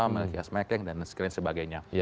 melayu yasmeke dan sebagainya